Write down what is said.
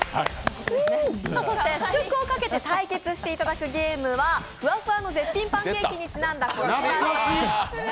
そして試食をかけて対決していくゲームはふわふわの絶品パンケーキにちなんだこちらです。